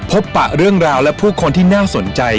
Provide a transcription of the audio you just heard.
ปะเรื่องราวและผู้คนที่น่าสนใจ